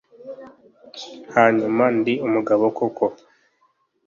hanyuma ndi umugabo koko